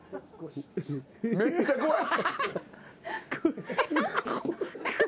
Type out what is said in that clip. めっちゃ怖い。